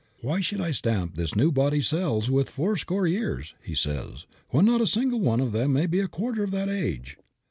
"Why should I stamp these new body cells with four score years," he says, "when not a single one of them may be a quarter of that age?"